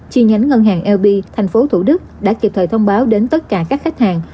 chi nhánh ngân hàng lp tp thủ đức đã kịp thời thông báo đến tất cả các khách hàng